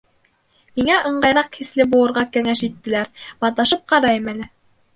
Миңә ыңғайыраҡ хисле булырға кәңәш иттеләр. Маташып ҡарайым әле.